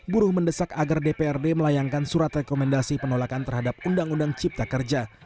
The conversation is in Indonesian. buruh mendesak agar dprd melayangkan surat rekomendasi penolakan terhadap undang undang cipta kerja